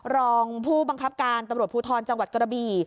รองผู้บังคับการตำรวจภูทรจังหวัดกระบี่